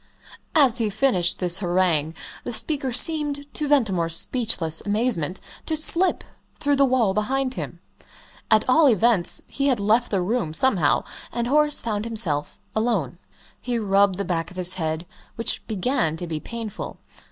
As he finished this harangue the speaker seemed, to Ventimore's speechless amazement, to slip through the wall behind him. At all events, he had left the room somehow and Horace found himself alone. He rubbed the back of his head, which began to be painful.